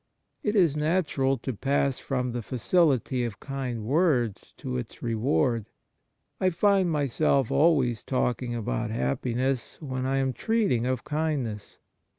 It is. natural to pass from the facility of kind words to its reward. I find myself always talking about happiness when I am treating of kindness.